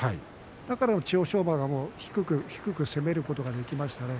だから千代翔馬が低く低く攻めることができましたね。